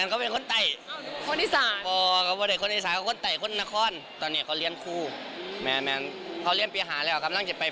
ก็ห่วงกับผมก็ตามดาเนาะ